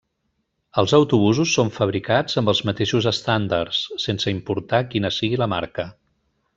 Els autobusos són fabricats amb els mateixos estàndards, sense importar quina sigui la marca.